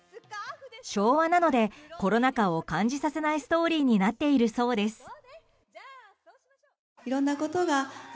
昭和なのでコロナ禍を感じさせないストーリーになっているそうです。